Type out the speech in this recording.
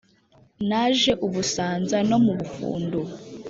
naje u busanza no mu bufundu